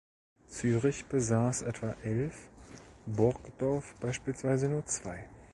Zürich besass etwa elf, Burgdorf beispielsweise nur zwei.